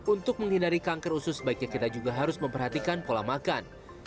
untuk menghindari kanker usus sebaiknya kita juga harus memperhatikan pola makan